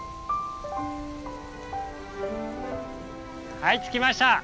はい着きました！